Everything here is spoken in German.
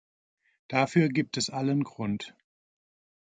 Dafür gibt es allen Grund.